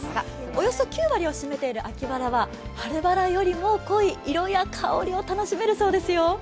およそ９割を占めている秋バラは春バラよりも濃い色と香りが楽しめるそうですよ。